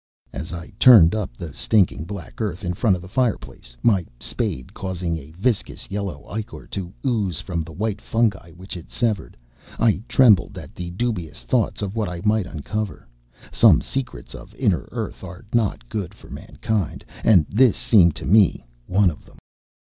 As I turned up the stinking black earth in front of the fireplace, my spade causing a viscous yellow ichor to ooze from the white fungi which it severed, I trembled at the dubious thoughts of what I might uncover. Some secrets of inner earth are not good for mankind, and this seemed to me one of them.